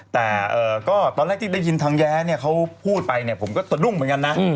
แต่ก็ตอนแรกที่ได้ยินทางแย้เนี่ยเขาพูดไปเนี่ยผมก็สะดุ้งเหมือนกันนะ